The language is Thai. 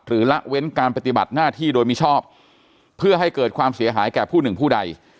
ละเว้นการปฏิบัติหน้าที่โดยมิชอบเพื่อให้เกิดความเสียหายแก่ผู้หนึ่งผู้ใด